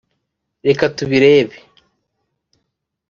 Reka tubirebe .